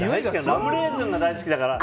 ラムレーズンが大好きだから。